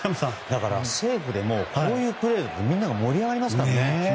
セーフでもこういうプレーってみんなの気持ちが盛り上がりますからね。